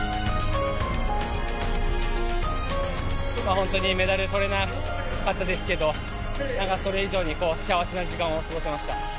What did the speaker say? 本当にメダル取れなかったですけど、なんかそれ以上に幸せな時間を過ごせました。